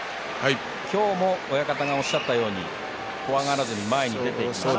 今日も親方がおっしゃったように怖がらずに前に出てきました。